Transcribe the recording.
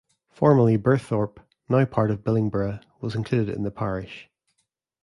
Formerly, Birthorpe, now part of Billingborough, was included in the parish.